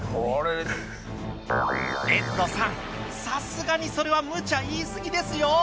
さすがにそれはむちゃ言い過ぎですよ。